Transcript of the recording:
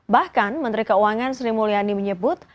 bahkan menteri keuangan sri mulyani menyebut